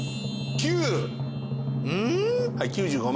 ９５万